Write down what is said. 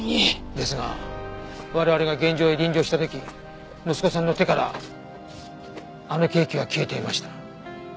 ですが我々が現場へ臨場した時息子さんの手からあのケーキは消えていました。